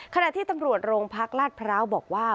ขณะที่ตำรวจโรงพักลาดพร้าวบอกว่า